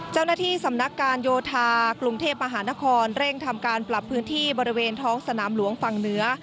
เจ้าหน้าที่สำนักการโยธากรุงเทพมหานครเร่งทำการปรับพื้นที่บริเวณท้องสนามหลวงฝั่งเหนือ